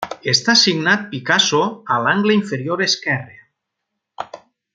Està signat Picasso a l'angle inferior esquerre.